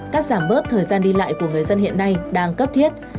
cắt giảm bớt thời gian đi lại của người dân hiện nay đang cấp thiết